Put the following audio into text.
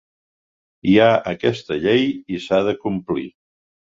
Hi ha aquesta llei i s’ha de complir.